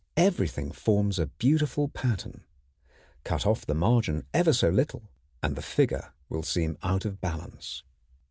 Everything forms a beautiful pattern. Cut off the margin ever so little, and the figure will seem out of balance.